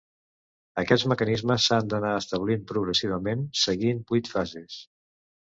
Aquests mecanismes s’han d'anar establint progressivament, seguint vuit fases.